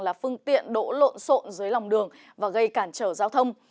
là phương tiện đỗ lộn xộn dưới lòng đường và gây cản trở giao thông